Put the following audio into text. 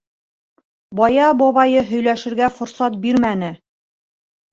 Бая бабайы һөйләшергә форсат бирмәне.